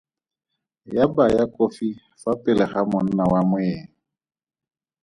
Ya baya kofi fa pele ga monna wa moeng.